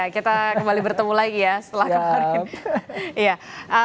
kita kembali bertemu lagi ya setelah kemarin